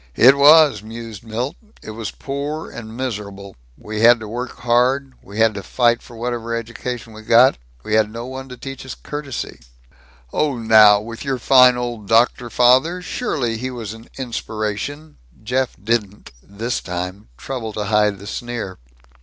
"It was," mused Milt. "It was poor and miserable. We had to work hard we had to fight for whatever education we got we had no one to teach us courtesy." "Oh now, with your fine old doctor father? Surely he was an inspiration?" Jeff didn't, this time, trouble to hide the sneer.